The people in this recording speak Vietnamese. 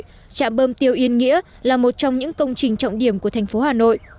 trạm bơm tiêu yên nghĩa là một trong những công trình trọng điểm của thành phố hà nội